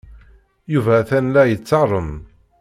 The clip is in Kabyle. Yuba atan la yettarem.